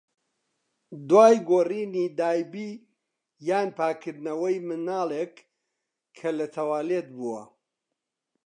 دوای گۆڕینی دایبی یان پاکردنەوەی مناڵێک کە لە توالێت بووە.